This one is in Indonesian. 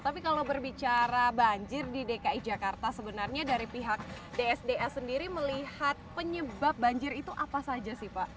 tapi kalau berbicara banjir di dki jakarta sebenarnya dari pihak dsds sendiri melihat penyebab banjir itu apa saja sih pak